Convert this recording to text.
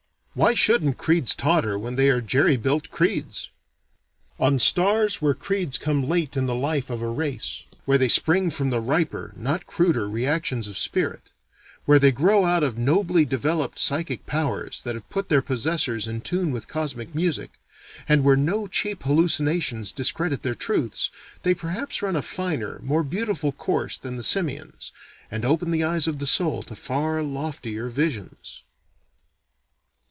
Why shouldn't creeds totter when they are jerry built creeds? On stars where creeds come late in the life of a race; where they spring from the riper, not cruder, reactions of spirit; where they grow out of nobly developed psychic powers that have put their possessors in tune with cosmic music; and where no cheap hallucinations discredit their truths; they perhaps run a finer, more beautiful course than the simians', and open the eyes of the soul to far loftier visions.